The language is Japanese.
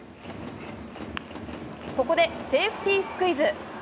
ここでセーフティスクイズ。